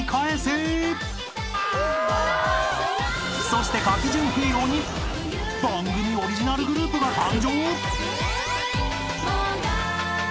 ［そして書き順ヒーローに番組オリジナルグループが誕生！？］